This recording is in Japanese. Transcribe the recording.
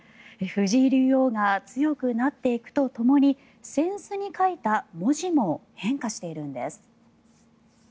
藤井竜王が強くなっていくとともに扇子に書いた文字も変化しているんです。